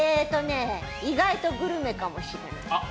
意外とグルメかもしれない。